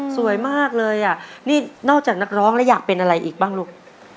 สวยมากเลยอ่ะนี่นอกจากนักร้องแล้วอยากเป็นอะไรอีกบ้างลูก